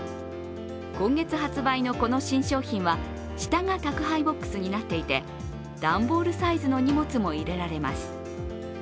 今月発売のこの新商品は下が宅配ボックスになっていて段ボールサイズの荷物も入れられます。